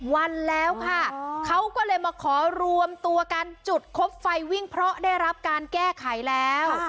วันแล้วค่ะเขาก็เลยมาขอรวมตัวกันจุดคบไฟวิ่งเพราะได้รับการแก้ไขแล้ว